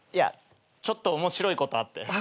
ちょっと面白いことあって。